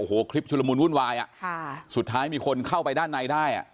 โอ้โหคลิปชุดละมูลวุ่นวายสุดท้ายมีคนเข้าไปด้านในได้